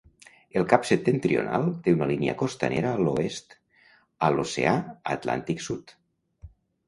El cap septentrional té una línia costanera a l'oest, a l'oceà Atlàntic Sud.